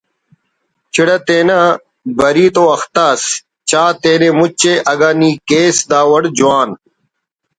چڑہ تینا بَری تو اختہ اُس چا تینے مچے اگہ نی کیس دا وڑ جوان